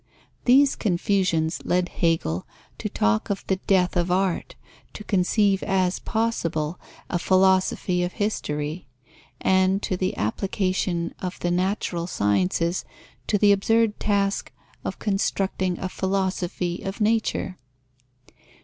These confusions led Hegel to talk of the death of art, to conceive as possible a Philosophy of History, and to the application of the natural sciences to the absurd task of constructing a Philosophy of Nature.